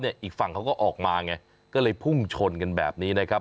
อีกฝั่งเขาก็ออกมาไงก็เลยพุ่งชนกันแบบนี้นะครับ